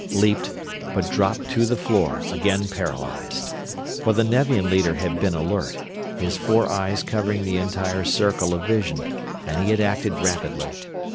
Leaped; but dropped to the floor, again paralyzed. For the Nevian leader had been alert, his four eyes covering the entire circle of vision, and he had acted rapidly.